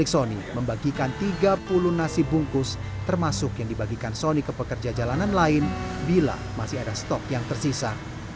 sony membagikan tiga puluh nasi bungkus termasuk yang dibagikan sony ke pekerja jalanan lain bila masih ada stok yang tersisa